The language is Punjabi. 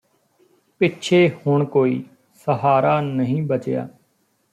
ਪਿੱਛੇ ਹੁਣ ਕੋਈ ਸਹਾਰਾ ਨਹੀਂ ਬਚਿਆ